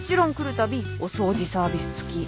たびお掃除サービス付き。